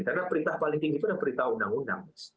karena perintah paling tinggi itu adalah perintah undang undang